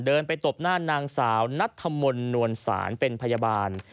เดินไปตบหน้านางสาวนัทธมนต์นวลศาลเป็นพยาบาล